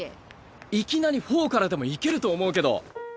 いきなり「４」からでもいけると思うけど。